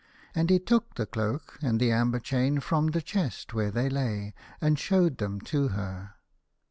And he took the cloak and the amber chain from the chest where they lay, and showed them to her.